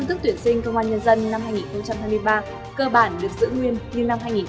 tuyển sinh công an nhân dân năm hai nghìn hai mươi ba của bộ công an